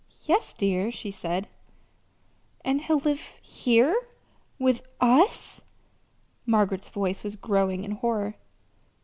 "Yes, dear," she said. "And he'll live here with us?" Margaret's voice was growing in horror.